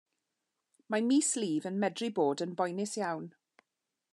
Mae mislif yn medru bod yn boenus iawn.